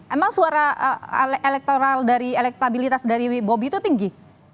emang suara elektabilitas dari bobby itu tinggi